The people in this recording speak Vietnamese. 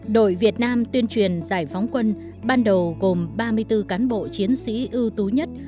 đội việt nam tuyên truyền giải phóng quân ban đầu gồm ba mươi bốn cán bộ chiến sĩ ưu tú nhất